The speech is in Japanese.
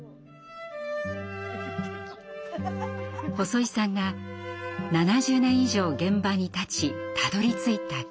細井さんが７０年以上現場に立ちたどりついた境地。